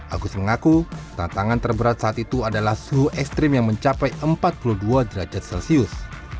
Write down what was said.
agus mengaku tantangan terberat saat itu adalah suhu ekstrim yang mencapai empat puluh dua derajat celcius